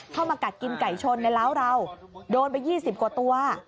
มากัดกินไก่ชนในร้าวเราโดนไป๒๐กว่าตัว